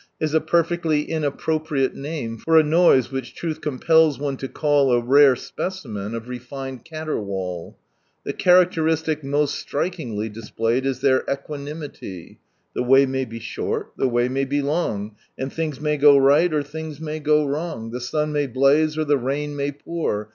Is a perfectly inappropriate n For > which truth compels one I n of rcAned caterwaul. call The characteristic most strikingly Displayed is their equaoimily. The way may be short, the way may be long, And things may go right, or things may go wrong, The sun may blaze, or the rain may pour.